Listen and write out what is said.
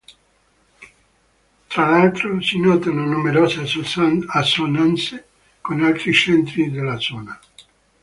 Tra l'altro si notano numerose assonanze con altri centri della zona.